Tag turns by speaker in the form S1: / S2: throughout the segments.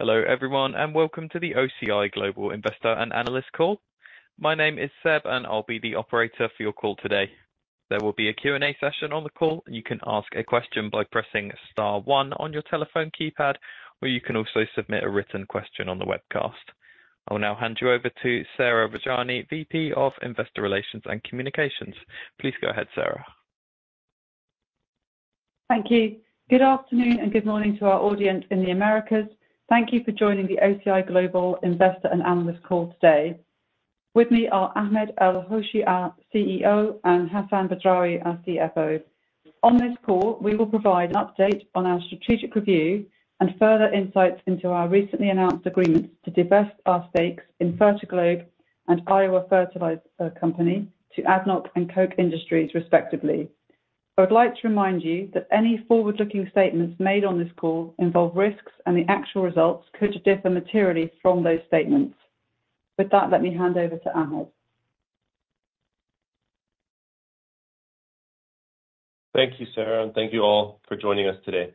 S1: Hello, everyone, and welcome to the OCI Global Investor and Analyst Call. My name is Seb, and I'll be the operator for your call today. There will be a Q&A session on the call. You can ask a question by pressing star one on your telephone keypad, or you can also submit a written question on the webcast. I will now hand you over to Sarah Rajani, VP of Investor Relations and Communications. Please go ahead, Sarah.
S2: Thank you. Good afternoon, and good morning to our audience in the Americas. Thank you for joining the OCI Global Investor and Analyst Call today. With me are Ahmed El-Hoshy, our CEO, and Hassan Badrawi, our CFO. On this call, we will provide an update on our strategic review and further insights into our recently announced agreements to divest our stakes in Fertiglobe and Iowa Fertilizer Company to ADNOC and Koch Industries, respectively. I would like to remind you that any forward-looking statements made on this call involve risks, and the actual results could differ materially from those statements. With that, let me hand over to Ahmed.
S3: Thank you, Sarah, and thank you all for joining us today.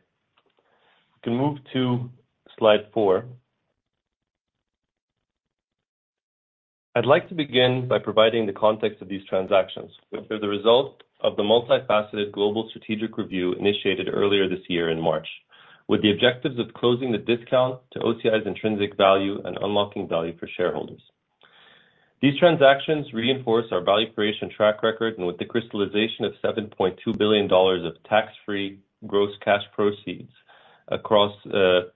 S3: We can move to slide four. I'd like to begin by providing the context of these transactions, which are the result of the multifaceted global strategic review initiated earlier this year in March, with the objectives of closing the discount to OCI's intrinsic value and unlocking value for shareholders. These transactions reinforce our value creation track record, and with the crystallization of $7.2 billion of tax-free gross cash proceeds across, for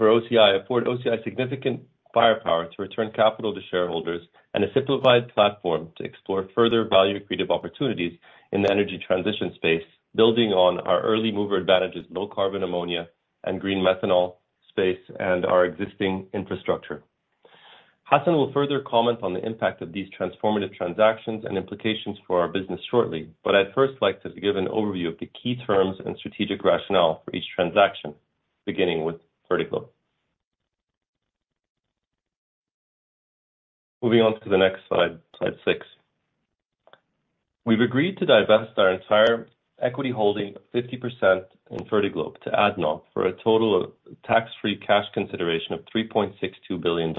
S3: OCI, afford OCI significant firepower to return capital to shareholders and a simplified platform to explore further value-creative opportunities in the energy transition space, building on our early mover advantages, low carbon ammonia and green methanol space and our existing infrastructure. Hassan will further comment on the impact of these transformative transactions and implications for our business shortly, but I'd first like to give an overview of the key terms and strategic rationale for each transaction, beginning with Fertiglobe. Moving on to the next slide, slide six. We've agreed to divest our entire equity holding of 50% in Fertiglobe to ADNOC for a total of tax-free cash consideration of $3.62 billion.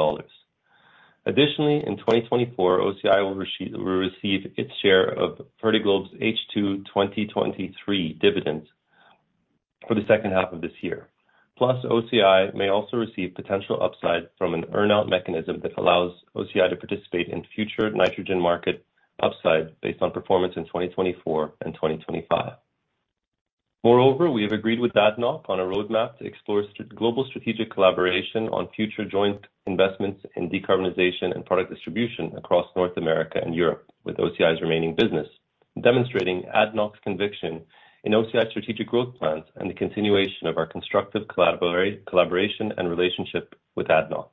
S3: Additionally, in 2024, OCI will receive, will receive its share of Fertiglobe's H2 2023 dividends for the second half of this year. Plus, OCI may also receive potential upside from an earn-out mechanism that allows OCI to participate in future nitrogen market upside based on performance in 2024 and 2025. Moreover, we have agreed with ADNOC on a roadmap to explore str:... Global strategic collaboration on future joint investments in decarbonization and product distribution across North America and Europe with OCI's remaining business, demonstrating ADNOC's conviction in OCI's strategic growth plans and the continuation of our constructive collaboration and relationship with ADNOC.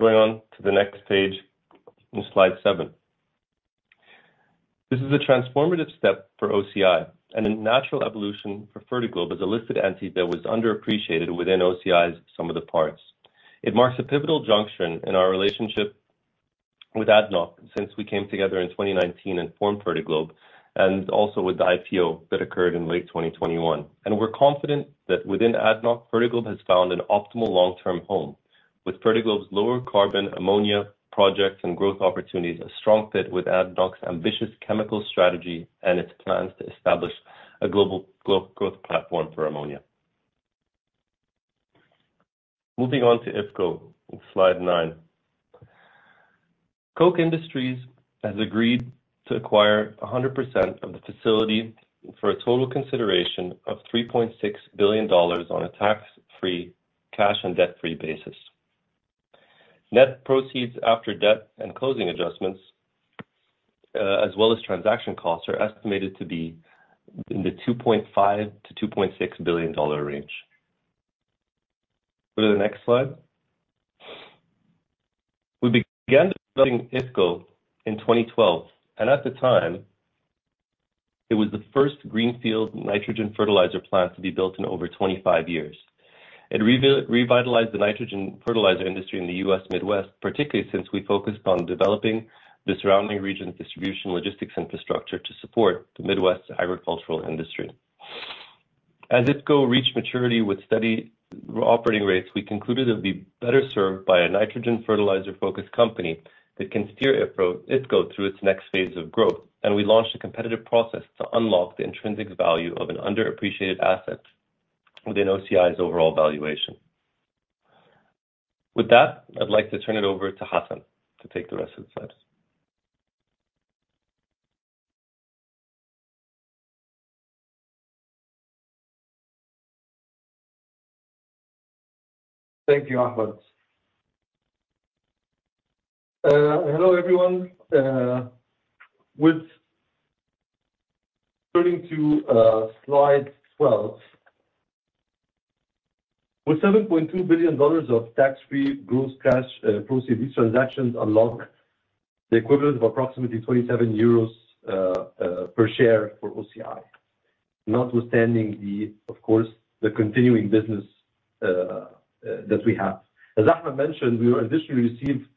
S3: Going on to the next page, on slide seven. This is a transformative step for OCI and a natural evolution for Fertiglobe as a listed entity that was underappreciated within OCI's sum of the parts. It marks a pivotal junction in our relationship with ADNOC since we came together in 2019 and formed Fertiglobe, and also with the IPO that occurred in late 2021. We're confident that within ADNOC, Fertiglobe has found an optimal long-term home, with Fertiglobe's lower carbon ammonia projects and growth opportunities, a strong fit with ADNOC's ambitious chemical strategy and its plans to establish a global growth platform for ammonia. Moving on to IFCO, slide nine. Koch Industries has agreed to acquire 100% of the facility for a total consideration of $3.6 billion on a tax-free, cash, and debt-free basis. Net proceeds after debt and closing adjustments, as well as transaction costs, are estimated to be in the $2.5 billion-$2.6 billion range. Go to the next slide. We began building IFCO in 2012, and at the time, it was the first greenfield nitrogen fertilizer plant to be built in over 25 years. It revitalized the nitrogen fertilizer industry in the U.S. Midwest, particularly since we focused on developing the surrounding region's distribution logistics infrastructure to support the Midwest agricultural industry. As IFCO reached maturity with steady operating rates, we concluded it would be better served by a nitrogen fertilizer-focused company that can steer IFCO... OCI's through its next phase of growth, and we launched a competitive process to unlock the intrinsic value of an underappreciated asset within OCI's overall valuation. With that, I'd like to turn it over to Hassan to take the rest of the slides.
S4: Thank you, Ahmed. Hello, everyone. Turning to slide 12. With $7.2 billion of tax-free gross cash proceeds, these transactions unlock the equivalent of approximately 27 euros per share for OCI. Notwithstanding the, of course, the continuing business that we have. As Ahmed mentioned, we will additionally receive our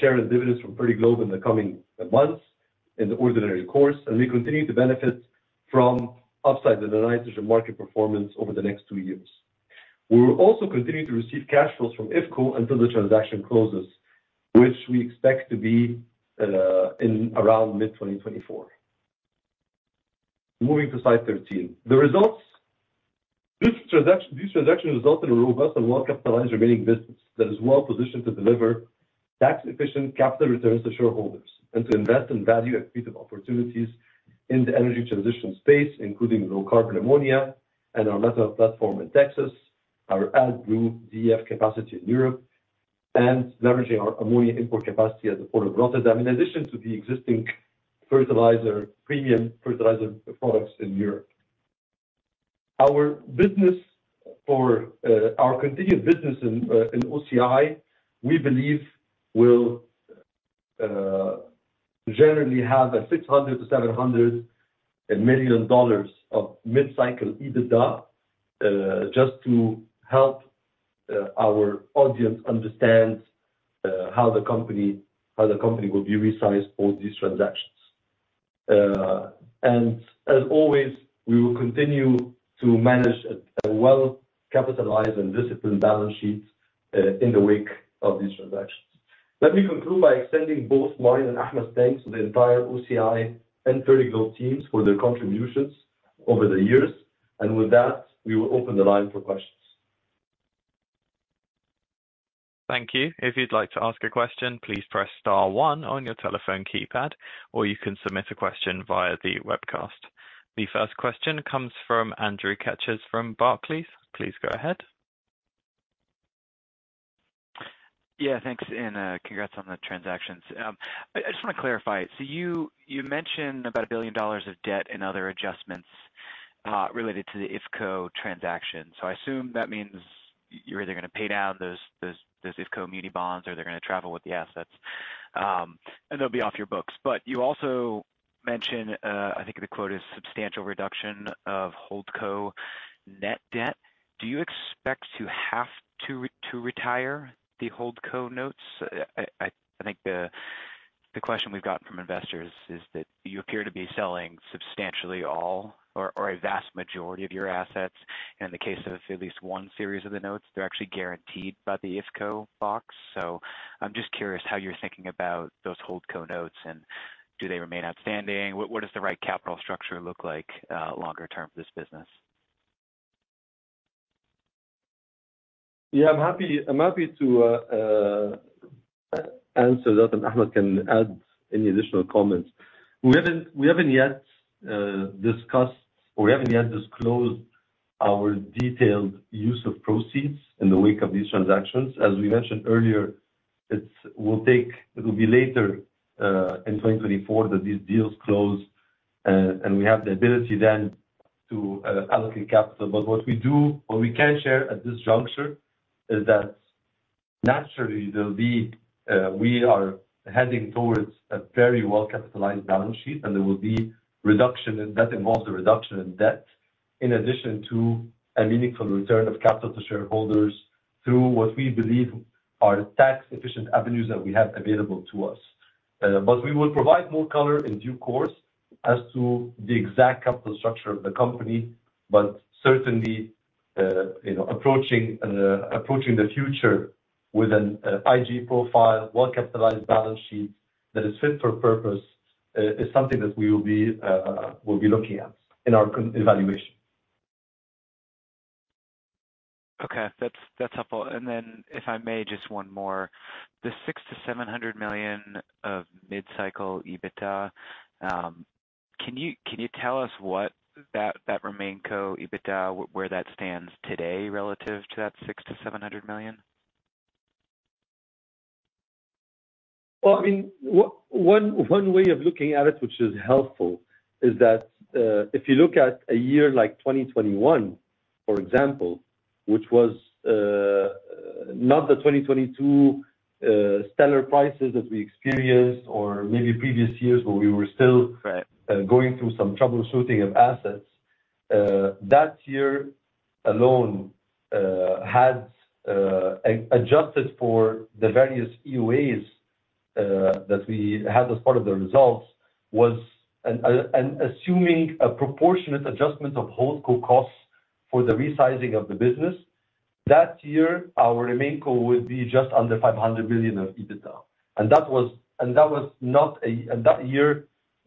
S4: share of dividends from Fertiglobe in the coming months in the ordinary course, and we continue to benefit from upside the nitrogen market performance over the next two years. We will also continue to receive cash flows from IFCO until the transaction closes, which we expect to be in around mid-2024. Moving to slide 13. The results. This transaction, this transaction results in a robust and well-capitalized remaining business that is well positioned to deliver tax-efficient capital returns to shareholders, and to invest in value accretive opportunities in the energy transition space, including low carbon ammonia and our methanol platform in Texas, our AdBlue DEF capacity in Europe, and leveraging our ammonia import capacity at the Port of Rotterdam, in addition to the existing fertilizer-premium fertilizer products in Europe. Our business for, our continued business in, in OCI, we believe will, generally have a $600 million-$700 million of mid-cycle EBITDA, just to help, our audience understand, how the company, how the company will be resized for these transactions. As always, we will continue to manage a well-capitalized and disciplined balance sheet, in the wake of these transactions. Let me conclude by extending both mine and Ahmed's thanks to the entire OCI and Fertiglobe teams for their contributions over the years. With that, we will open the line for questions.
S1: Thank you. If you'd like to ask a question, please press star one on your telephone keypad, or you can submit a question via the webcast. The first question comes from Andrew Keches from Barclays. Please go ahead.
S5: Yeah, thanks, and congrats on the transactions. I just want to clarify. So you mentioned about $1 billion of debt and other adjustments related to the IFCO transaction. So I assume that means you're either going to pay down those IFCO muni bonds, or they're going to travel with the assets, and they'll be off your books. But you also mentioned, I think the quote is, "substantial reduction of HoldCo net debt." Do you expect to have to retire the HoldCo notes? I think the question we've gotten from investors is that you appear to be selling substantially all or a vast majority of your assets. In the case of at least one series of the notes, they're actually guaranteed by the IFCO box. I'm just curious how you're thinking about those HoldCo notes, and do they remain outstanding? What does the right capital structure look like longer term for this business?
S4: Yeah, I'm happy to answer that, and Ahmed can add any additional comments. We haven't yet discussed or we haven't yet disclosed our detailed use of proceeds in the wake of these transactions. As we mentioned earlier, it will be later in 2024 that these deals close, and we have the ability then to allocate capital. But what we can share at this juncture is that naturally there will be, we are heading towards a very well-capitalized balance sheet, and there will be reduction, and that involves a reduction in debt, in addition to a meaningful return of capital to shareholders through what we believe are tax-efficient avenues that we have available to us. We will provide more color in due course as to the exact capital structure of the company, but certainly, you know, approaching the future with an IG profile, well-capitalized balance sheet that is fit for purpose, is something that we will be looking at in our consideration.
S5: Okay. That's, that's helpful. And then, if I may, just one more. The $600 million-$700 million of mid-cycle EBITDA, can you, can you tell us what that, that run-rate EBITDA, where that stands today relative to that $600 million-$700 million?
S4: Well, I mean, one way of looking at it, which is helpful, is that if you look at a year like 2021, for example, which was not the 2022 stellar prices that we experienced or maybe previous years where we were still-
S5: Right ...
S4: going through some troubleshooting of assets, that year alone, had, adjusted for the various EUAs, that we had as part of the results, was, and assuming a proportionate adjustment of HoldCo costs for the resizing of the business, that year, our RemainCo would be just under $500 million of EBITDA. And that was, and that was not a... And that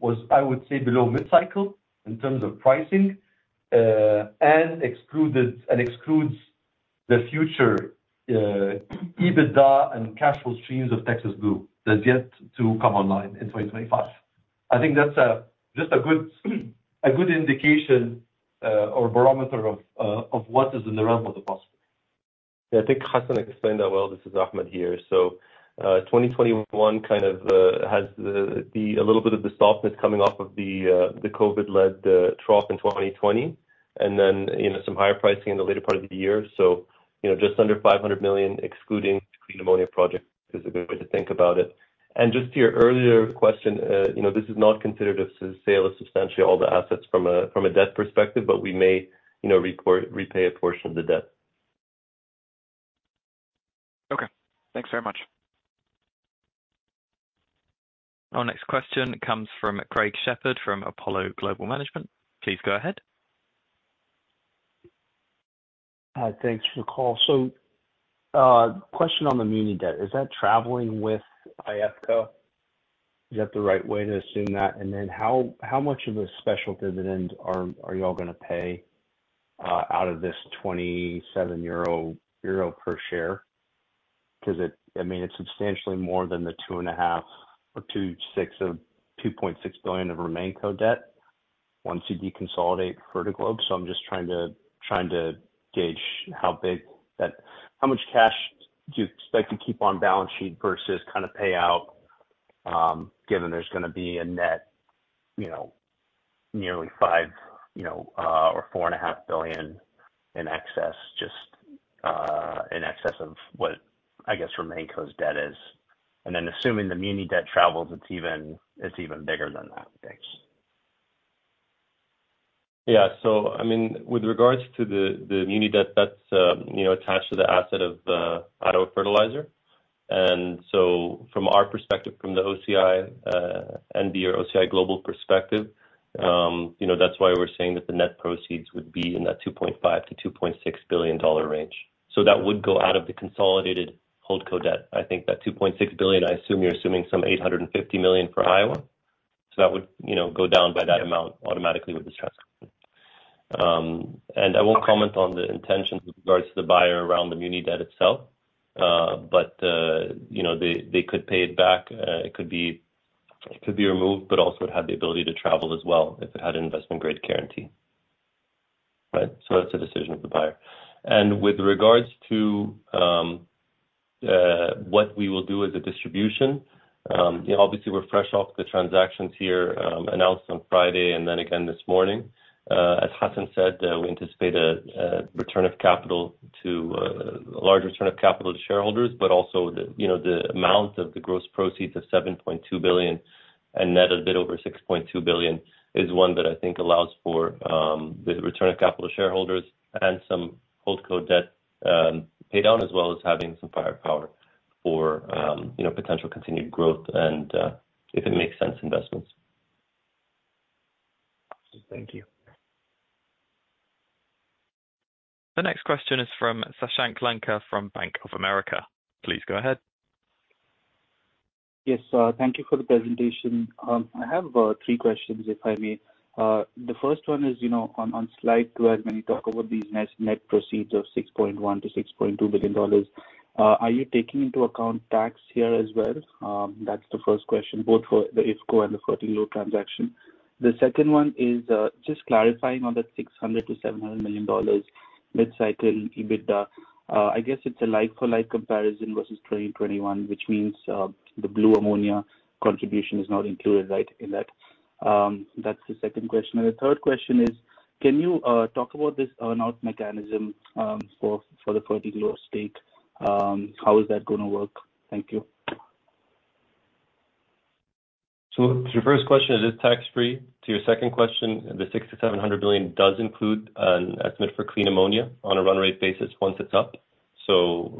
S4: year was, I would say, below mid-cycle in terms of pricing, and excludes the future, EBITDA and cash flow streams of Texas Blue that yet to come online in 2025. I think that's a, just a good, a good indication, or barometer of, of what is in the realm of the possible.
S3: Yeah, I think Hassan explained that well. This is Ahmed here. So, 2021 kind of has the, a little bit of the softness coming off of the, the COVID-led trough in 2020, and then, you know, some higher pricing in the later part of the year. So, you know, just under $500 million, excluding the clean ammonia project, is a good way to think about it. And just to your earlier question, you know, this is not considered a sale of substantially all the assets from a, from a debt perspective, but we may, you know, repay a portion of the debt....
S5: Thanks very much.
S1: Our next question comes from Craig Shepherd, from Apollo Global Management. Please go ahead.
S6: Thanks for the call. So, question on the muni debt. Is that traveling with IFCO? Is that the right way to assume that? And then how much of a special dividend are y'all gonna pay out of this 27 euro per share? 'Cause it... I mean, it's substantially more than the $2.5 billion or $2.6 billion of RemainCo debt, once you deconsolidate Fertiglobe. So I'm just trying to gauge how big that—how much cash do you expect to keep on balance sheet versus kind of payout, given there's gonna be a net, you know, nearly $5 billion, you know, or $4.5 billion in excess, just in excess of what I guess RemainCo's debt is. And then assuming the muni debt travels, it's even bigger than that. Thanks.
S3: Yeah. So I mean, with regards to the muni debt, that's, you know, attached to the asset of Iowa Fertilizer. And so from our perspective, from the OCI, and the OCI Global perspective, you know, that's why we're saying that the net proceeds would be in that $2.5 billion-$2.6 billion range. So that would go out of the consolidated HoldCo debt. I think that $2.6 billion, I assume you're assuming some $850 million for Iowa. So that would, you know, go down by that amount automatically with this transaction. And I won't comment on the intentions with regards to the buyer around the muni debt itself, but, you know, they could pay it back. It could be, it could be removed, but also it had the ability to travel as well, if it had an investment-grade guarantee, right? So that's the decision of the buyer. With regards to what we will do as a distribution, you know, obviously, we're fresh off the transactions here, announced on Friday and then again this morning. As Hassan said, we anticipate a return of capital to... a large return of capital to shareholders, but also the, you know, the amount of the gross proceeds of $7.2 billion and net a bit over $6.2 billion, is one that I think allows for, the return of capital to shareholders and some HoldCo debt pay down, as well as having some firepower for, you know, potential continued growth and, if it makes sense, investments.
S6: Thank you.
S1: The next question is from Sashank Lanka, from Bank of America. Please go ahead.
S7: Yes, thank you for the presentation. I have three questions, if I may. The first one is, you know, on, on slide two, as when you talk about these net, net proceeds of $6.1 billion-$6.2 billion, are you taking into account tax here as well? That's the first question, both for the IFCO and the Fertiglobe transaction. The second one is, just clarifying on the $600 million-$700 million mid-cycle EBITDA. I guess it's a like-for-like comparison versus 2021, which means, the blue ammonia contribution is not included, right, in that? That's the second question. And the third question is, can you talk about this earn out mechanism, for, for the Fertiglobe stake? How is that gonna work? Thank you.
S3: So to your first question, it is tax-free. To your second question, the $600-700 million does include an estimate for clean ammonia on a run-rate basis once it's up. So,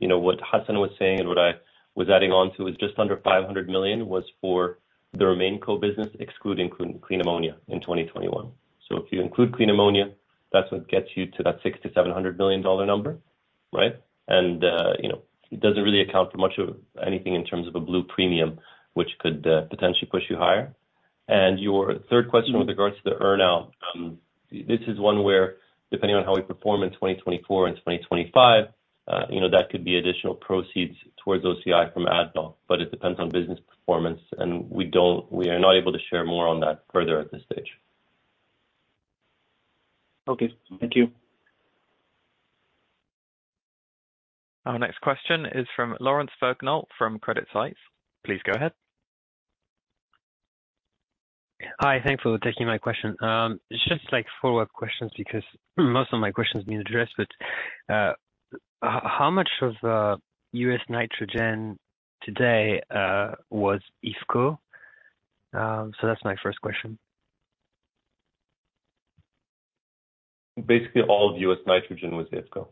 S3: you know what Hassan was saying and what I was adding on to is just under $500 million, was for the RemainCo business, excluding clean ammonia in 2021. So if you include clean ammonia, that's what gets you to that $600-700 million number, right? And, you know, it doesn't really account for much of anything in terms of a blue premium, which could, potentially push you higher. Your third question with regards to the earn-out, this is one where, depending on how we perform in 2024 and 2025, you know, that could be additional proceeds towards OCI from ADNOC, but it depends on business performance, and we are not able to share more on that further at this stage.
S7: Okay. Thank you.
S1: Our next question is from [Lawrence Ferknal] from Credit Suisse. Please go ahead.
S8: Hi, thanks for taking my question. It's just like follow-up questions, because most of my questions have been addressed. But, how much of U.S. Nitrogen today was IFCO? So that's my first question.
S3: Basically, all of U.S. Nitrogen was IFCO.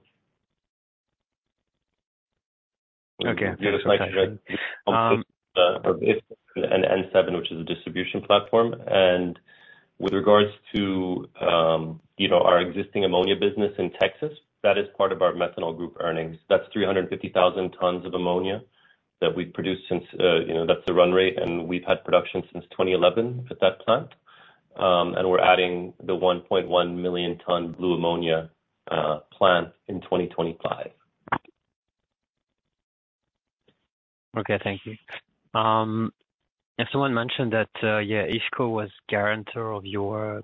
S8: Okay.
S3: US Nitrogen-
S8: Um-...
S3: and N-7, which is a distribution platform. And with regards to, you know, our existing ammonia business in Texas, that is part of our methanol group earnings. That's 350,000 tons of ammonia that we've produced since, you know, that's the run rate, and we've had production since 2011 at that plant. And we're adding the 1.1 million ton blue ammonia, plant in 2025.
S8: Okay, thank you. If someone mentioned that, IFCO was guarantor of your,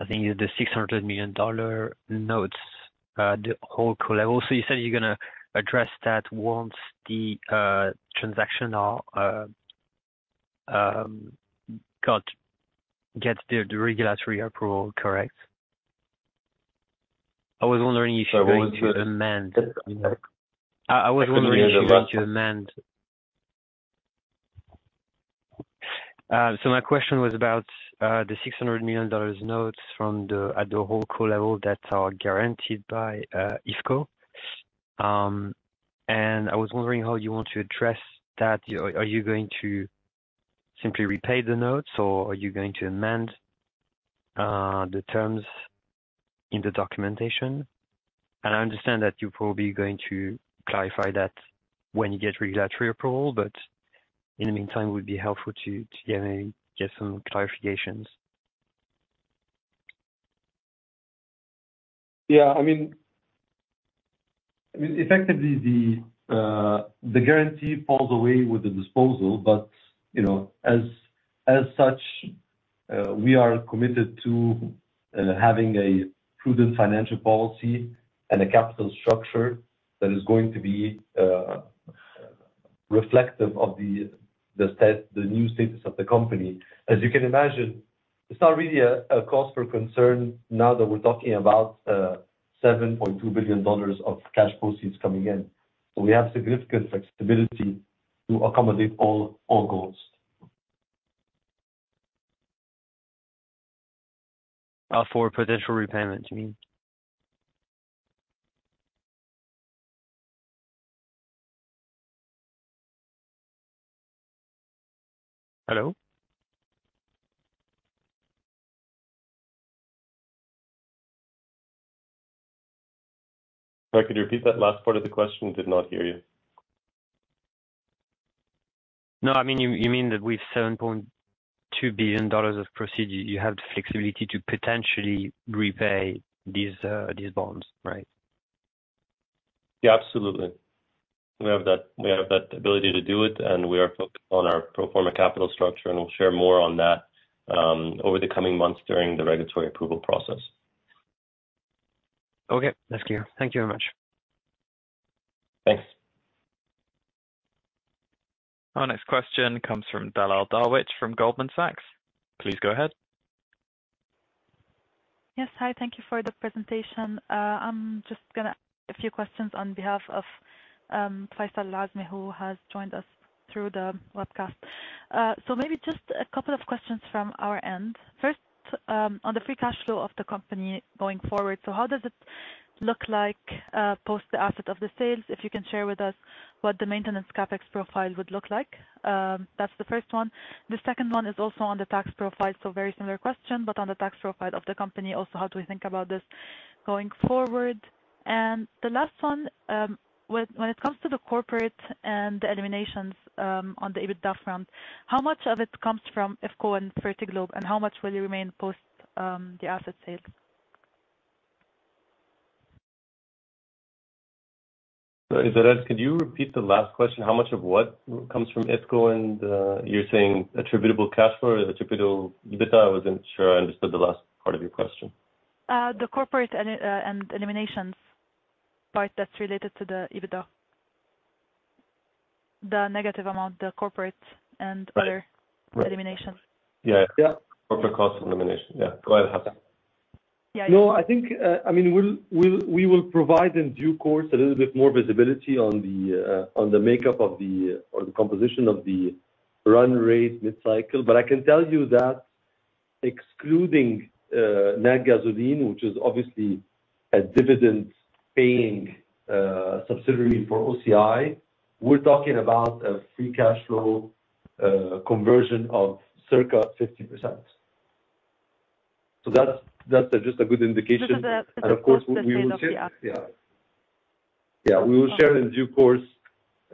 S8: I think the $600 million notes, the HoldCo level. So you said you're gonna address that once the transaction gets the regulatory approval, correct? I was wondering if you're going to amend... So my question was about the $600 million notes at the HoldCo level that are guaranteed by IFCO. And I was wondering how you want to address that. Are you going to simply repay the notes, or are you going to amend the terms in the documentation? I understand that you're probably going to clarify that when you get regulatory approval, but in the meantime, it would be helpful to get some clarifications.
S4: Yeah, I mean, effectively, the guarantee falls away with the disposal, but, you know, as such, we are committed to having a prudent financial policy and a capital structure that is going to be reflective of the new status of the company. As you can imagine, it's not really a cause for concern now that we're talking about $7.2 billion of cash proceeds coming in. So we have significant flexibility to accommodate all goals.
S8: For potential repayments, you mean? Hello?
S3: Sorry, could you repeat that last part of the question? Did not hear you.
S8: No, I mean, you, you mean that with $7.2 billion of proceeds, you have the flexibility to potentially repay these, these bonds, right?
S3: Yeah, absolutely. We have that, we have that ability to do it, and we are focused on our pro forma capital structure, and we'll share more on that, over the coming months during the regulatory approval process.
S8: Okay. Thank you. Thank you very much.
S3: Thanks.
S1: Our next question comes from Dalal Darwich, from Goldman Sachs. Please go ahead.
S9: Yes. Hi, thank you for the presentation. I'm just gonna ask a few questions on behalf of Faisal Alajmi, who has joined us through the webcast. So maybe just a couple of questions from our end. First, on the free cash flow of the company going forward. So how does it look like post the asset sales? If you can share with us what the maintenance CapEx profile would look like. That's the first one. The second one is also on the tax profile, so very similar question, but on the tax profile of the company also, how do we think about this going forward? The last one, when it comes to the corporate and the eliminations, on the EBITDA front, how much of it comes from IFCO and Fertiglobe, and how much will you remain post the asset sale?
S3: Sorry Dalal, could you repeat the last question? How much of what comes from IFCO, and you're saying attributable cash flow or attributable EBITDA? I wasn't sure I understood the last part of your question.
S9: The corporate and eliminations, part that's related to the EBITDA. The negative amount, the corporate and other-
S3: Right.
S9: Eliminations.
S3: Yeah.
S4: Yeah.
S3: Corporate cost elimination. Yeah. Go ahead, Hassan.
S8: Yeah.
S4: No, I think, I mean, we'll, we'll—we will provide in due course, a little bit more visibility on the, on the makeup of the, or the composition of the run rate mid-cycle. But I can tell you that excluding, Natgasoline, which is obviously a dividend-paying, subsidiary for OCI, we're talking about a free cash flow, conversion of circa 50%. So that's, that's just a good indication.
S9: This is the
S4: And of course, we will share-
S9: Post the sale of the asset.
S4: Yeah. Yeah, we will share in due course,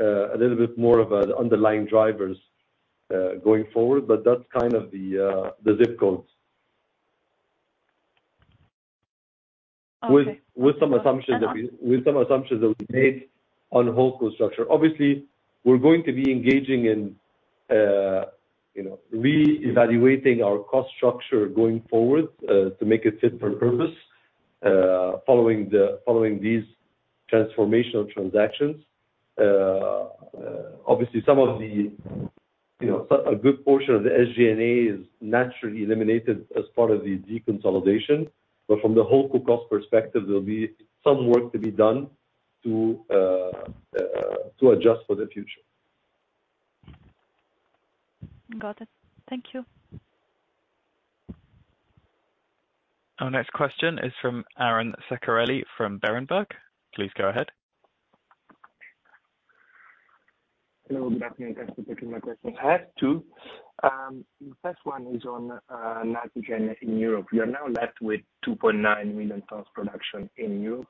S4: a little bit more of the underlying drivers, going forward, but that's kind of the, the ZIP codes.
S9: Okay.
S4: With some assumptions that we made on HoldCo structure. Obviously, we're going to be engaging in, you know, reevaluating our cost structure going forward, to make it fit for purpose, following these transformational transactions. Obviously, some of the, you know, a good portion of the SG&A is naturally eliminated as part of the deconsolidation, but from the whole group cost perspective, there'll be some work to be done to adjust for the future.
S9: Got it. Thank you.
S1: Our next question is from Aron Ceccarelli from Berenberg. Please go ahead.
S10: Hello, good afternoon. Thanks for taking my question. I have two. The first one is on nitrogen in Europe. You are now left with 2.9 million tons production in Europe.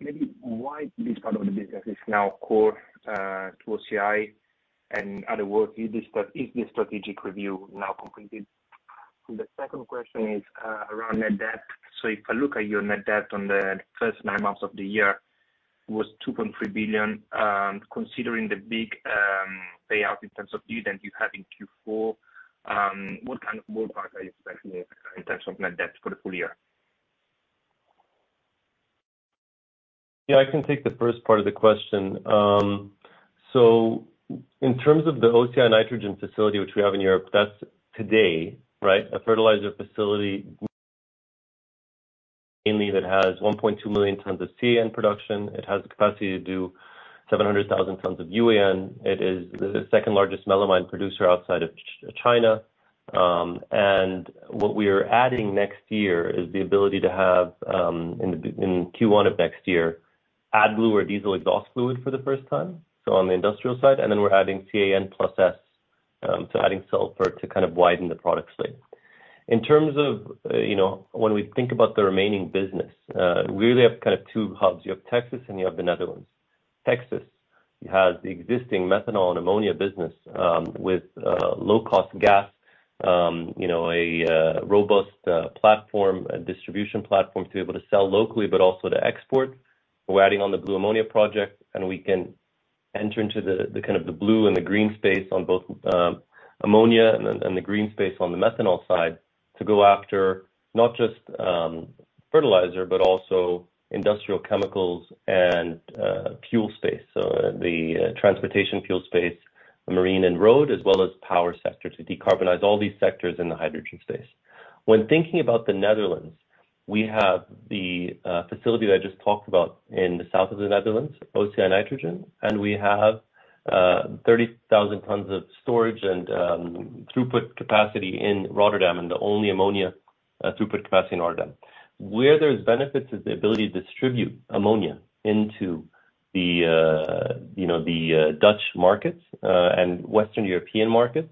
S10: Maybe why this part of the business is now core to OCI? And other words, is this, is this strategic review now completed? The second question is around net debt. So if I look at your net debt on the first nine months of the year, was $2.3 billion. Considering the big payout in terms of dividend you have in Q4, what kind of move are you expecting in terms of net debt for the full year?
S3: Yeah, I can take the first part of the question. So in terms of the OCI Nitrogen facility, which we have in Europe, that's today, right? A fertilizer facility mainly that has 1.2 million tons of CAN production. It has the capacity to do 700,000 tons of UAN. It is the second-largest melamine producer outside of China. And what we are adding next year is the ability to have, in Q1 of next year, AdBlue or diesel exhaust fluid for the first time, so on the industrial side, and then we're adding CAN plus S, so adding sulfur to kind of widen the product slate. In terms of, you know, when we think about the remaining business, we really have kind of two hubs. You have Texas, and you have the Netherlands. Texas, you have the existing methanol and ammonia business, with low-cost gas, you know, a robust platform, a distribution platform to be able to sell locally, but also to export. We're adding on the blue ammonia project, and we can enter into the kind of the blue and the green space on both, ammonia and then, and the green space on the methanol side to go after not just, fertilizer, but also industrial chemicals and, fuel space. So the transportation fuel space, marine and road, as well as power sector, to decarbonize all these sectors in the hydrogen space. When thinking about the Netherlands, we have the facility that I just talked about in the south of the Netherlands, OCI Nitrogen, and we have 30,000 tons of storage and throughput capacity in Rotterdam, and the only ammonia throughput capacity in Rotterdam. Where there's benefits is the ability to distribute ammonia into the, you know, the Dutch markets and Western European markets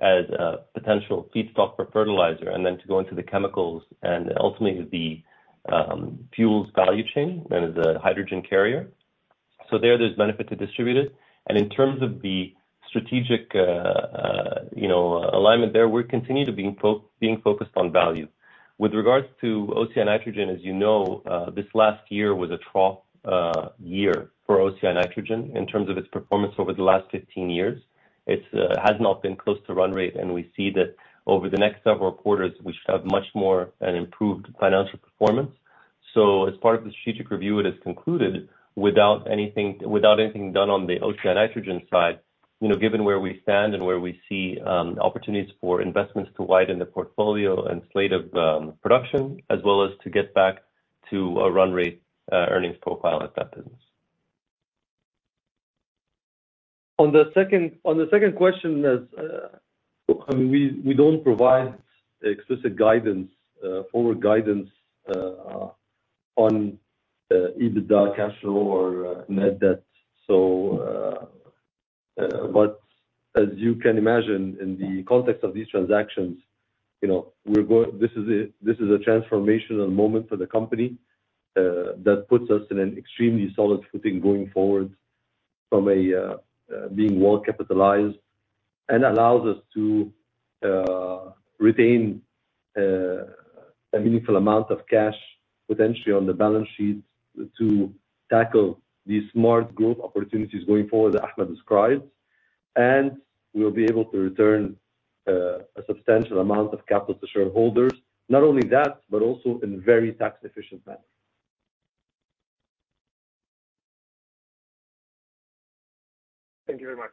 S3: as a potential feedstock for fertilizer, and then to go into the chemicals and ultimately the fuels value chain and as a hydrogen carrier. So there, there's benefit to distribute it. And in terms of the strategic, you know, alignment there, we continue to being focused on value. With regards to OCI Nitrogen, as you know, this last year was a trough year for OCI Nitrogen in terms of its performance over the last 15 years. It has not been close to run rate, and we see that over the next several quarters, we should have much more an improved financial performance. So as part of the strategic review, it is concluded without anything, without anything done on the OCI Nitrogen side, you know, given where we stand and where we see, opportunities for investments to widen the portfolio and slate of, production, as well as to get back to a run rate, earnings profile at that business.
S4: On the second, on the second question, as I mean, we, we don't provide explicit guidance, forward guidance, on EBITDA cash flow or net debt. So, but as you can imagine, in the context of these transactions, you know, this is a, this is a transformational moment for the company, that puts us in an extremely solid footing going forward from a being well capitalized, and allows us to retain a meaningful amount of cash potentially on the balance sheet to tackle these smart growth opportunities going forward that Ahmed described. And we will be able to return a substantial amount of capital to shareholders. Not only that, but also in a very tax-efficient manner. Thank you very much.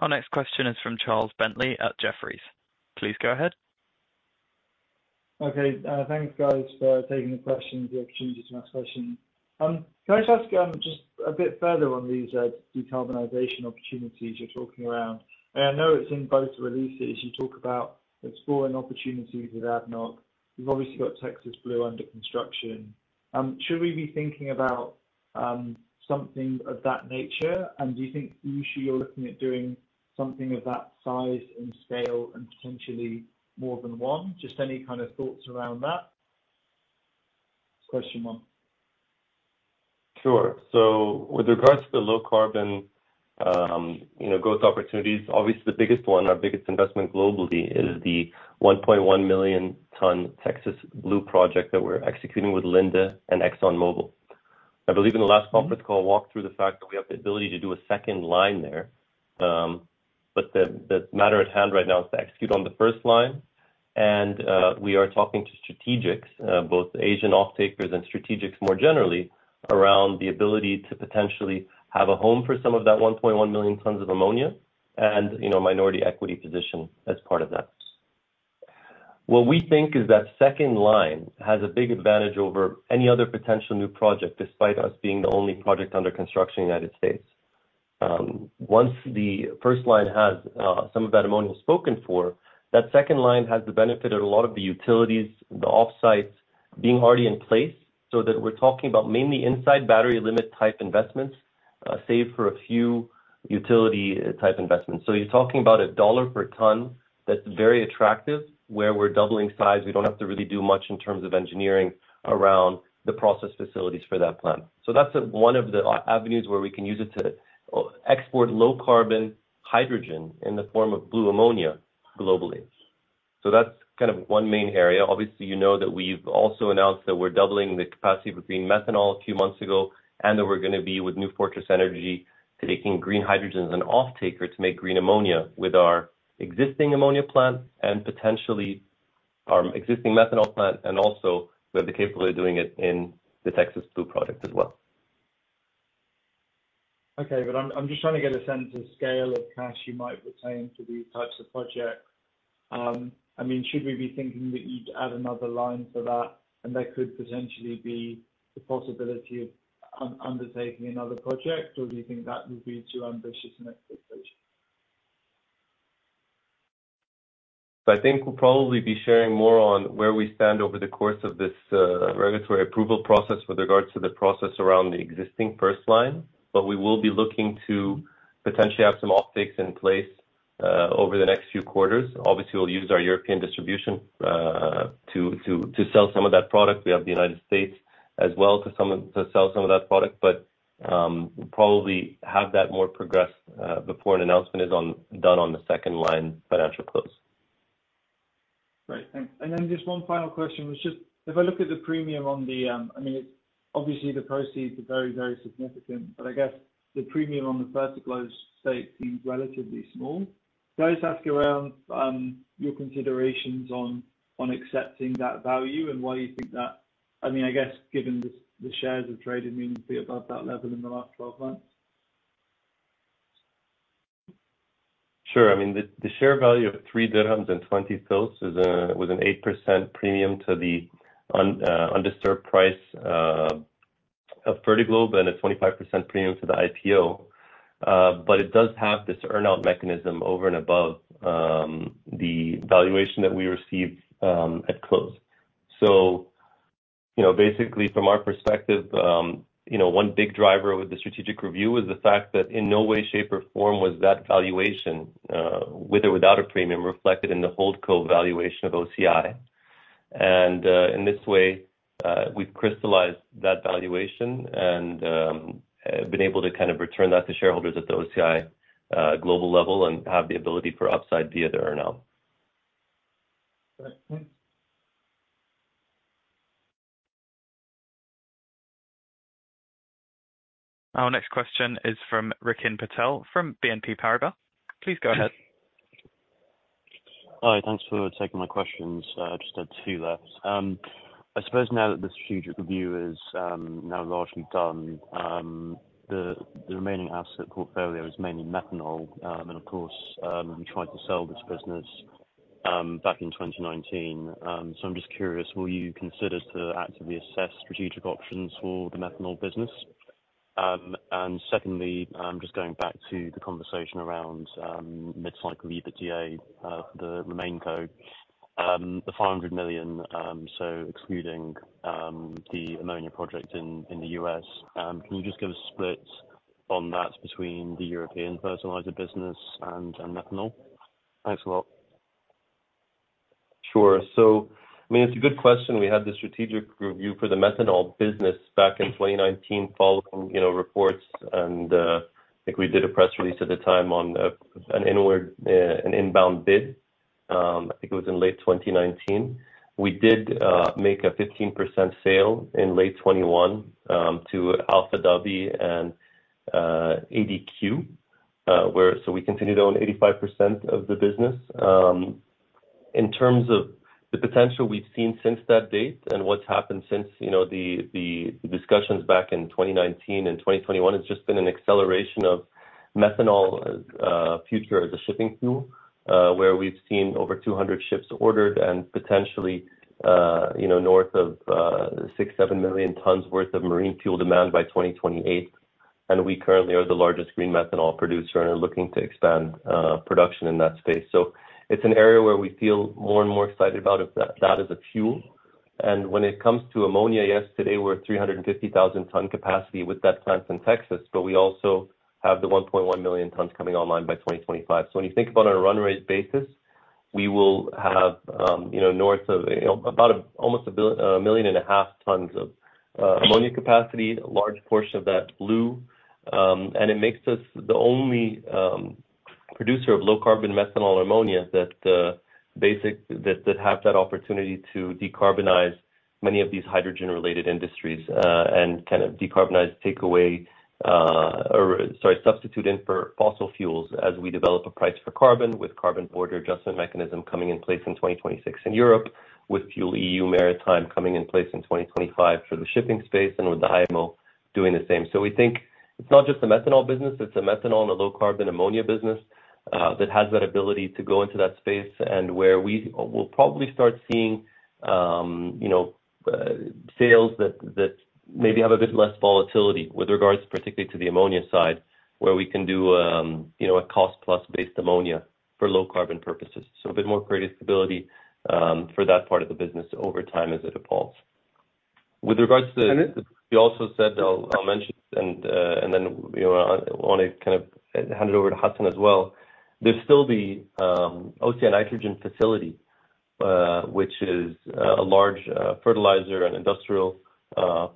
S1: Our next question is from Charles Bentley at Jefferies. Please go ahead.
S11: Okay, thank you guys for taking the question, the opportunity to ask the question. Can I just ask, just a bit further on these, decarbonization opportunities you're talking around? I know it's in both releases. You talk about exploring opportunities with ADNOC. You've obviously got Texas Blue under construction. Should we be thinking about, something of that nature? And do you think usually you're looking at doing something of that size and scale and potentially more than one? Just any kind of thoughts around that? First question, one.
S3: Sure. So with regards to the low carbon, you know, growth opportunities, obviously, the biggest one, our biggest investment globally is the 1.1 million ton Texas Blue project that we're executing with Linde and ExxonMobil. I believe in the last conference call, I walked through the fact that we have the ability to do a second line there. But the matter at hand right now is to execute on the first line, and we are talking to strategics, both Asian off-takers and strategics more generally, around the ability to potentially have a home for some of that 1.1 million tons of ammonia and, you know, minority equity position as part of that. What we think is that second line has a big advantage over any other potential new project, despite us being the only project under construction in the United States. Once the first line has some of that ammonia spoken for, that second line has the benefit of a lot of the utilities, the offsites being already in place, so that we're talking about mainly inside battery limits type investments, save for a few utility type investments. So you're talking about $1 per ton that's very attractive, where we're doubling size. We don't have to really do much in terms of engineering around the process facilities for that plant. So that's one of the avenues where we can use it to export low-carbon hydrogen in the form of blue ammonia globally. So that's kind of one main area. Obviously, you know that we've also announced that we're doubling the capacity between methanol a few months ago, and that we're gonna be with New Fortress Energy, taking green hydrogen as an off-taker to make green ammonia with our existing ammonia plant and potentially our existing methanol plant, and also we have the capability of doing it in the Texas Blue project as well....
S11: Okay, but I'm just trying to get a sense of scale of cash you might retain for these types of projects. I mean, should we be thinking that you'd add another line for that, and there could potentially be the possibility of undertaking another project, or do you think that would be too ambitious an expectation?
S3: I think we'll probably be sharing more on where we stand over the course of this regulatory approval process with regards to the process around the existing first line. But we will be looking to potentially have some offtakes in place over the next few quarters. Obviously, we'll use our European distribution to sell some of that product. We have the United States as well to sell some of that product, but we'll probably have that more progressed before an announcement is done on the second line financial close.
S11: Great, thanks. And then just one final question, which is, if I look at the premium on the, I mean, it's obviously the proceeds are very, very significant, but I guess the premium on the first close state seems relatively small. Can I just ask you around, your considerations on, on accepting that value, and why you think that? I mean, I guess, given the, the shares of trading meaningfully above that level in the last twelve months.
S3: Sure. I mean, the share value of 3 dirhams and 20 fils was an 8% premium to the undisturbed price of Fertiglobe and a 25% premium to the IPO. But it does have this earn-out mechanism over and above the valuation that we received at close. So, you know, basically from our perspective, you know, one big driver with the strategic review was the fact that in no way, shape, or form was that valuation with or without a premium, reflected in the HoldCo valuation of OCI. And in this way, we've crystallized that valuation and been able to kind of return that to shareholders at the OCI global level and have the ability for upside via the earn-out.
S11: Great. Thanks.
S1: Our next question is from Rikin Patel, from BNP Paribas. Please go ahead.
S12: Hi, thanks for taking my questions. I just had two left. I suppose now that the strategic review is now largely done, the remaining asset portfolio is mainly methanol. And of course, you tried to sell this business back in 2019. So I'm just curious, will you consider to actively assess strategic options for the methanol business? And secondly, just going back to the conversation around mid-cycle EBITDA, the main co, the $500 million, so excluding the ammonia project in the US. Can you just give a split on that between the European fertilizer business and methanol? Thanks a lot.
S3: Sure. So, I mean, it's a good question. We had the strategic review for the methanol business back in 2019, following, you know, reports and, I think we did a press release at the time on an inbound bid. I think it was in late 2019. We did make a 15% sale in late 2021 to Alpha Dhabi and ADQ, where... So we continue to own 85% of the business. In terms of the potential we've seen since that date and what's happened since, you know, the discussions back in 2019 and 2021, it's just been an acceleration of methanol future as a shipping fuel, where we've seen over 200 ships ordered and potentially, you know, north of 6-7 million tons worth of marine fuel demand by 2028. And we currently are the largest green methanol producer and are looking to expand production in that space. So it's an area where we feel more and more excited about it, that as a fuel. And when it comes to ammonia, yes, today we're at 350,000 ton capacity with that plant in Texas, but we also have the 1.1 million tons coming online by 2025. So when you think about on a run rate basis, we will have, you know, you know, about almost a million and a half tons of ammonia capacity, a large portion of that blue. And it makes us the only producer of low-carbon methanol ammonia that have that opportunity to decarbonize many of these hydrogen-related industries, and kind of decarbonize, take away, or sorry, substitute in for fossil fuels, as we develop a price for carbon, with Carbon Border Adjustment Mechanism coming in place in 2026 in Europe, with Fuel EU Maritime coming in place in 2025 for the shipping space and with the IMO doing the same. So we think it's not just a methanol business, it's a methanol and a low-carbon ammonia business, that has that ability to go into that space, and where we will probably start seeing, you know, sales that, that maybe have a bit less volatility with regards particularly to the ammonia side, where we can do, you know, a cost-plus based ammonia for low-carbon purposes. So a bit more greater stability, for that part of the business over time as it evolves. With regards to-
S12: And then-
S3: You also said, I'll mention, and then, you know, I want to kind of hand it over to Hassan as well. There'll still be OCI Nitrogen facility, which is a large fertilizer and industrial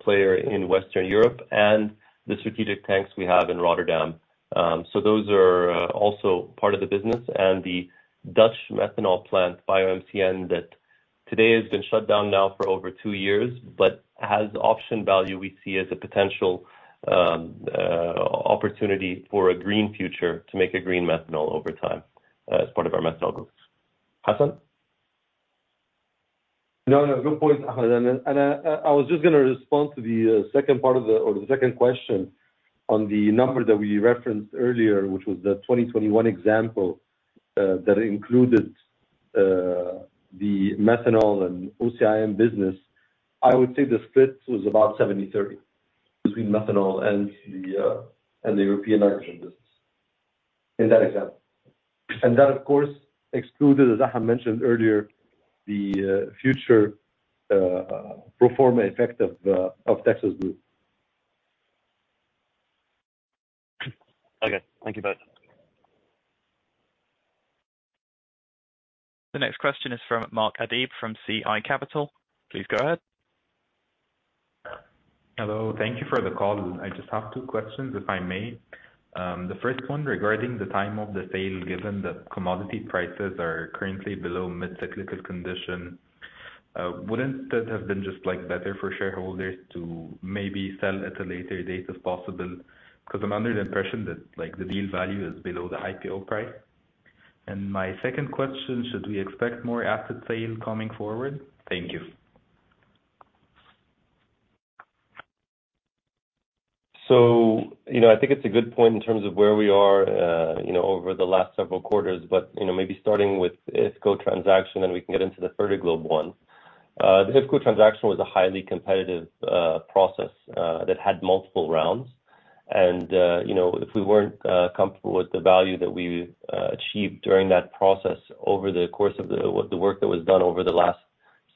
S3: player in Western Europe and the strategic tanks we have in Rotterdam. So those are also part of the business and the Dutch methanol plant, BioMCN, that today has been shut down now for over two years, but has option value we see as a potential opportunity for a green future to make a green methanol over time, as part of our methanol business. Hassan?...
S4: No, no, good point, aha. And then, I was just going to respond to the second part of the second question on the number that we referenced earlier, which was the 2021 example, that included the methanol and OCIAM business. I would say the split was about 70/30 between methanol and the European nitrogen business, in that example. And that, of course, excluded, as I had mentioned earlier, the future pro forma effect of Texas Blue.
S12: Okay, thank you both.
S1: The next question is from Mark Adeeb from CI Capital. Please go ahead.
S13: Hello. Thank you for the call. I just have two questions, if I may. The first one regarding the time of the sale, given that commodity prices are currently below mid-cyclical condition, wouldn't that have been just, like, better for shareholders to maybe sell at a later date, if possible? Because I'm under the impression that, like, the deal value is below the IPO price. My second question, should we expect more asset sales coming forward? Thank you.
S3: So, you know, I think it's a good point in terms of where we are, you know, over the last several quarters. But, you know, maybe starting with IFCO transaction, and we can get into the Fertiglobe one. The IFCO transaction was a highly competitive process that had multiple rounds. And, you know, if we weren't comfortable with the value that we achieved during that process over the course of the work that was done over the last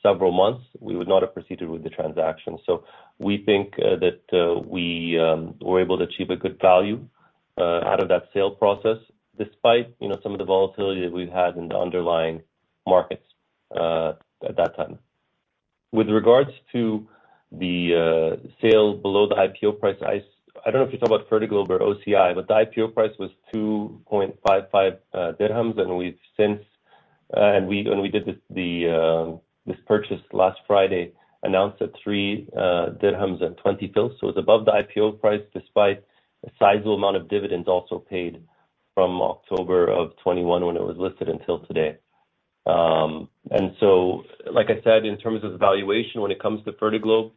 S3: several months, we would not have proceeded with the transaction. So we think that we were able to achieve a good value out of that sale process, despite, you know, some of the volatility that we've had in the underlying markets at that time. With regards to the sale below the IPO price, I don't know if you're talking about Fertiglobe or OCI, but the IPO price was 2.55 dirhams, and we've since and we did this purchase last Friday, announced at 3.020 dirhams. So it's above the IPO price, despite a sizable amount of dividends also paid from October of 2021 when it was listed until today. So, like I said, in terms of valuation, when it comes to Fertiglobe,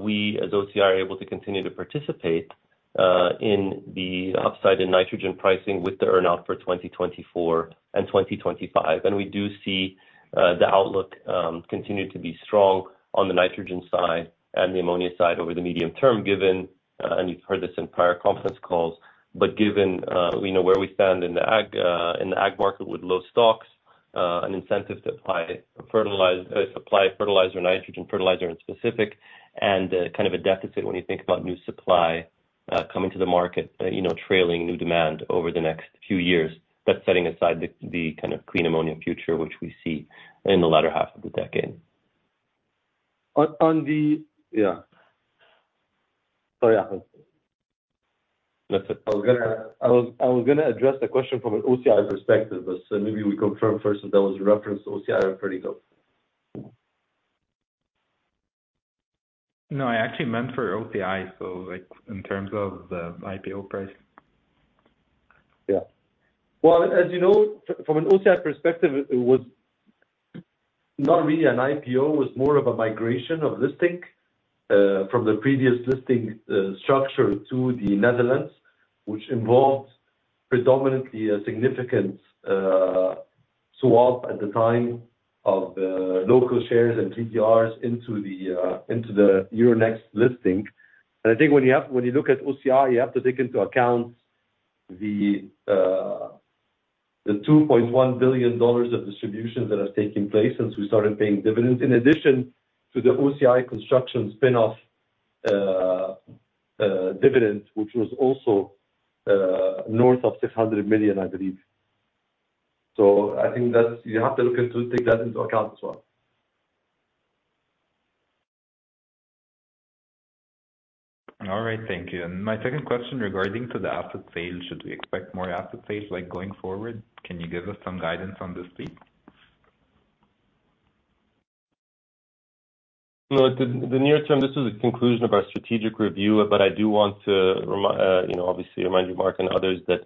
S3: we, as OCI, are able to continue to participate in the upside in nitrogen pricing with the earn out for 2024 and 2025. We do see the outlook continue to be strong on the nitrogen side and the ammonia side over the medium term given, and you've heard this in prior conference calls, but given we know where we stand in the ag market with low stocks, an incentive to apply fertilizer, apply fertilizer, nitrogen fertilizer in specific, and kind of a deficit when you think about new supply coming to the market, you know, trailing new demand over the next few years. That's setting aside the kind of clean ammonia future, which we see in the latter half of the decade.
S4: Yeah. Sorry, I was gonna address the question from an OCI perspective, but so maybe we confirm first that was a reference to OCI and Fertiglobe.
S13: No, I actually meant for OCI, so, like, in terms of the IPO price.
S4: Yeah. Well, as you know, from an OCI perspective, it was not really an IPO, it was more of a migration of listing, from the previous listing, structure to the Netherlands, which involved predominantly a significant, swap at the time of, local shares and GDRs into the, into the Euronext listing. And I think when you have, when you look at OCI, you have to take into account the, the $2.1 billion of distributions that are taking place since we started paying dividends, in addition to the OCI construction spin-off, dividend, which was also, north of $600 million, I believe. So I think that's. You have to look into, take that into account as well.
S13: All right, thank you. My second question regarding to the asset sale, should we expect more asset sales, like, going forward? Can you give us some guidance on this, please?
S3: Well, the near term, this is the conclusion of our strategic review, but I do want to remind, you know, obviously remind you, Mark and others, that,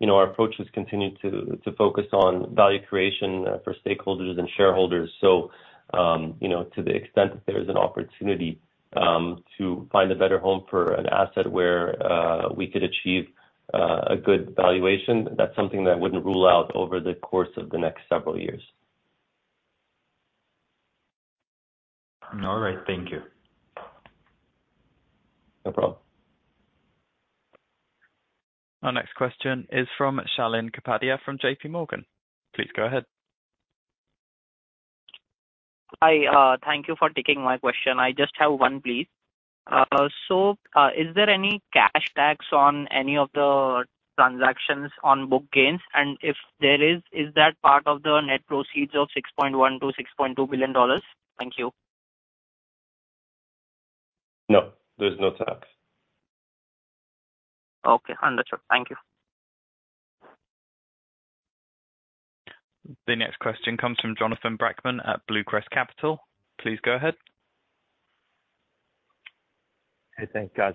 S3: you know, our approach has continued to focus on value creation, for stakeholders and shareholders. So, you know, to the extent that there is an opportunity, to find a better home for an asset where, we could achieve, a good valuation, that's something that I wouldn't rule out over the course of the next several years.
S13: All right. Thank you.
S3: No problem.
S1: Our next question is from Shalin Kapadia, from JPMorgan. Please go ahead.
S14: Hi, thank you for taking my question. I just have one, please. So, is there any cash tax on any of the transactions on book gains? And if there is, is that part of the net proceeds of $6.1 billion-$6.2 billion? Thank you.
S3: No, there's no tax.
S14: Okay, understood. Thank you.
S1: The next question comes from Jonathan Brackman at BlueCrest Capital. Please go ahead....
S15: Hey, thanks, guys.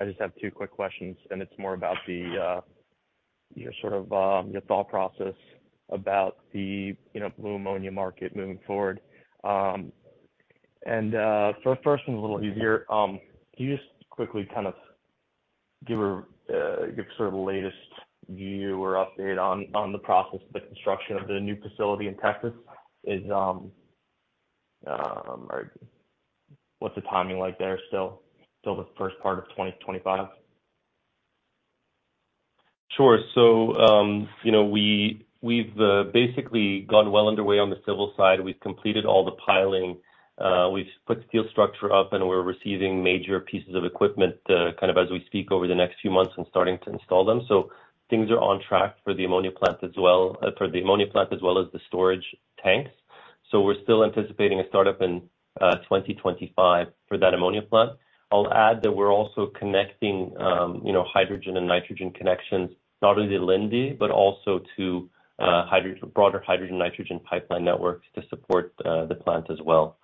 S15: I just have two quick questions, and it's more about the, your sort of, your thought process about the, you know, blue ammonia market moving forward. And so first one's a little easier. Can you just quickly kind of give a sort of the latest view or update on the process of the construction of the new facility in Texas? Is or what's the timing like there still the first part of 2025?
S3: Sure. So, you know, we, we've basically gone well underway on the civil side. We've completed all the piling, we've put the steel structure up, and we're receiving major pieces of equipment, kind of as we speak over the next few months and starting to install them. So things are on track for the ammonia plant as well, for the ammonia plant, as well as the storage tanks. So we're still anticipating a startup in 2025 for that ammonia plant. I'll add that we're also connecting, you know, hydrogen and nitrogen connections, not only to Linde, but also to broader hydrogen-nitrogen pipeline networks to support the plant as well.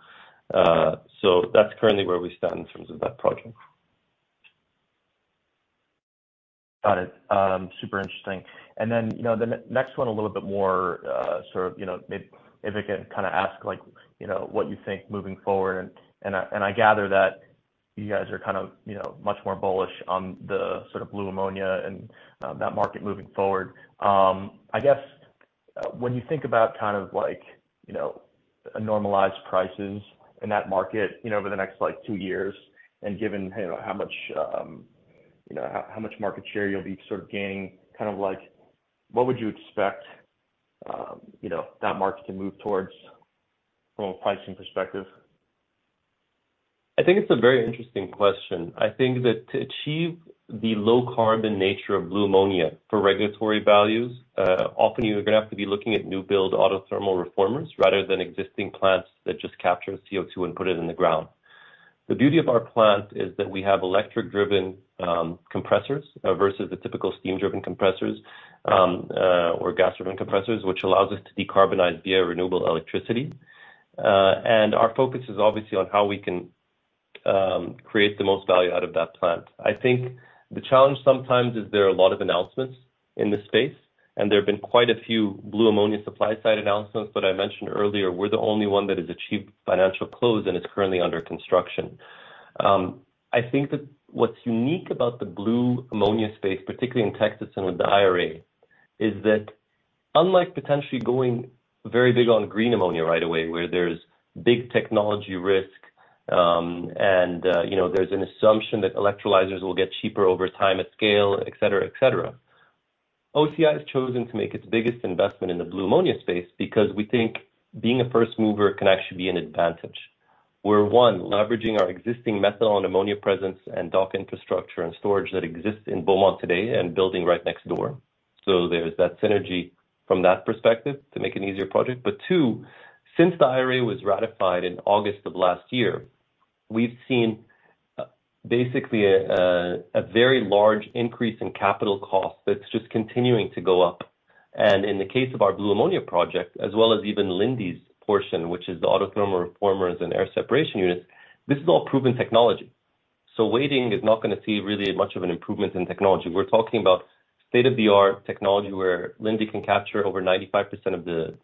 S3: So that's currently where we stand in terms of that project.
S9: Got it. Super interesting. And then, you know, the next one a little bit more, sort of, you know, if we can kinda ask, like, you know, what you think moving forward, and I gather that you guys are kind of, you know, much more bullish on the sort of blue ammonia and that market moving forward. I guess, when you think about kind of like, you know, a normalized prices in that market, you know, over the next, like, two years, and given, you know, how much market share you'll be sort of gaining, kind of like, what would you expect, you know, that market to move towards from a pricing perspective?
S3: I think it's a very interesting question. I think that to achieve the low carbon nature of blue ammonia for regulatory values, often you're gonna have to be looking at new build autothermal reformers rather than existing plants that just capture CO2 and put it in the ground. The beauty of our plant is that we have electric-driven compressors versus the typical steam-driven compressors or gas-driven compressors, which allows us to decarbonize via renewable electricity. Our focus is obviously on how we can create the most value out of that plant. I think the challenge sometimes is there are a lot of announcements in this space, and there have been quite a few blue ammonia supply-side announcements, but I mentioned earlier, we're the only one that has achieved financial close and is currently under construction. I think that what's unique about the blue ammonia space, particularly in Texas and with the IRA, is that unlike potentially going very big on green ammonia right away, where there's big technology risk, and you know, there's an assumption that electrolyzers will get cheaper over time at scale, et cetera, et cetera. OCI has chosen to make its biggest investment in the blue ammonia space because we think being a first mover can actually be an advantage. We're, one, leveraging our existing methanol and ammonia presence and dock infrastructure and storage that exists in Beaumont today and building right next door. So there's that synergy from that perspective to make an easier project. But two, since the IRA was ratified in August of last year, we've seen basically a very large increase in capital cost that's just continuing to go up. And in the case of our blue ammonia project, as well as even Linde's portion, which is the autothermal reformers and air separation units, this is all proven technology. So waiting is not gonna see really much of an improvement in technology. We're talking about state-of-the-art technology, where Linde can capture over 95% of the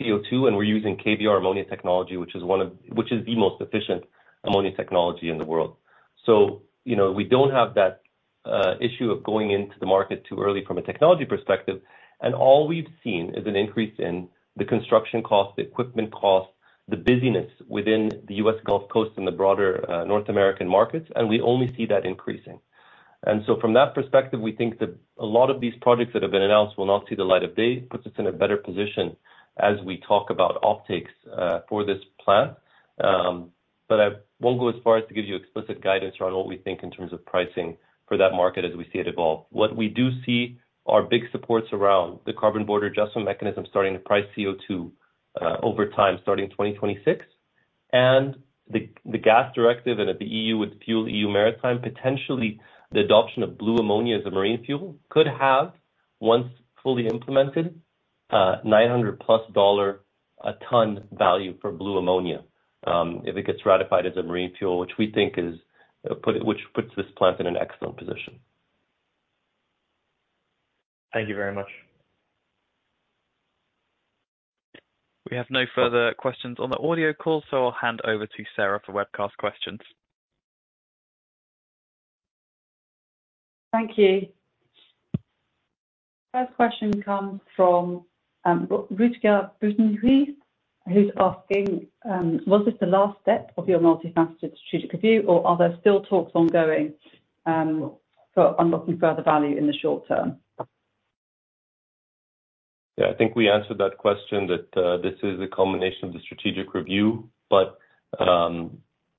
S3: CO2, and we're using KBR ammonia technology, which is the most efficient ammonia technology in the world. So, you know, we don't have that issue of going into the market too early from a technology perspective, and all we've seen is an increase in the construction cost, the equipment cost, the busyness within the U.S. Gulf Coast and the broader North American markets, and we only see that increasing. And so from that perspective, we think that a lot of these projects that have been announced will not see the light of day. Puts us in a better position as we talk about offtakes for this plant. But I won't go as far as to give you explicit guidance on what we think in terms of pricing for that market as we see it evolve. What we do see are big supports around the Carbon Border Adjustment Mechanism, starting to price CO2, over time, starting in 2026, and the, the gas directive and at the EU, with Fuel EU Maritime, potentially the adoption of blue ammonia as a marine fuel could have, once fully implemented, $900+ a ton value for blue ammonia, if it gets ratified as a marine fuel, which we think is, which puts this plant in an excellent position.
S15: Thank you very much.
S1: We have no further questions on the audio call, so I'll hand over to Sarah for webcast questions.
S2: Thank you. First question comes from, [Rutger Brutalis], who's asking, "Was this the last step of your multifaceted strategic review, or are there still talks ongoing, for unlocking further value in the short term?
S3: Yeah, I think we answered that question, that this is a culmination of the strategic review, but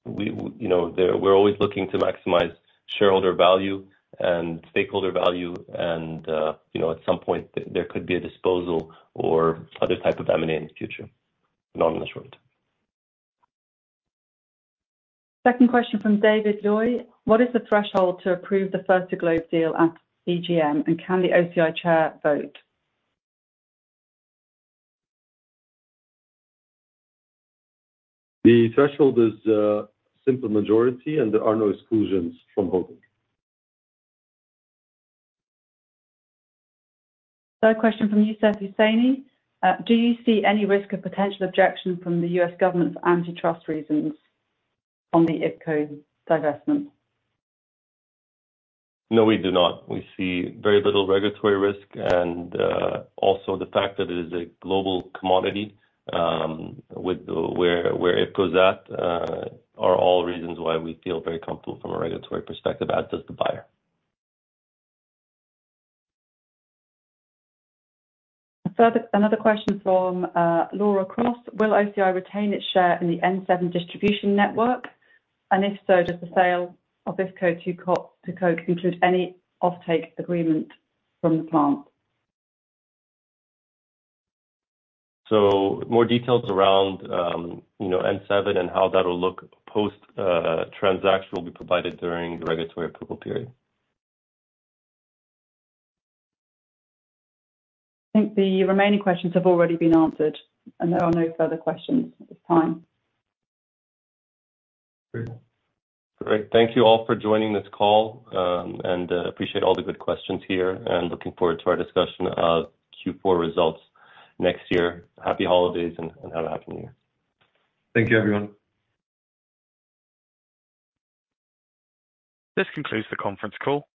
S3: we, you know, we're always looking to maximize shareholder value and stakeholder value, and you know, at some point, there could be a disposal or other type of M&A in the future, not in the short term.
S2: Second question from David Loy: "What is the threshold to approve the Fertiglobe deal at the AGM, and can the OCI chair vote?
S3: The threshold is a simple majority, and there are no exclusions from holding.
S2: Third question from Yousef Husseini: "Do you see any risk of potential objection from the U.S. government for antitrust reasons on the IFCO divestment?
S3: No, we do not. We see very little regulatory risk, and also the fact that it is a global commodity, with where IFCO is at, are all reasons why we feel very comfortable from a regulatory perspective, as does the buyer.
S2: Further. Another question from Laura Cross: "Will OCI retain its share in the N-7 distribution network? And if so, does the sale of IFCO to Koch include any offtake agreement from the plant?
S3: More details around, you know, N-7 and how that will look post transaction will be provided during the regulatory approval period.
S2: I think the remaining questions have already been answered, and there are no further questions at this time.
S3: Great. Great. Thank you all for joining this call, and appreciate all the good questions here, and looking forward to our discussion of Q4 results next year. Happy holidays, and have a happy New Year.
S13: Thank you, everyone.
S1: This concludes the conference call.